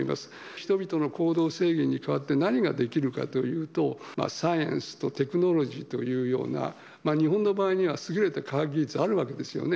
人々の行動制限に代わって何ができるかというと、サイエンスとテクノロジーというような、日本の場合には優れた科学技術があるわけですよね。